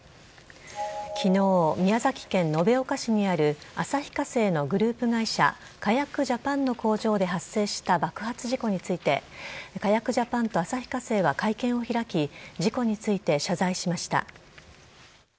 きのう、宮崎県延岡市にある旭化成のグループ会社、カヤク・ジャパンの工場で発生した爆発事故について、カヤク・ジャパンと旭化成は会見を開き、事故について謝罪しました。